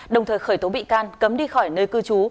đồng thời khởi tố bị can cấm đi khỏi nơi cư trú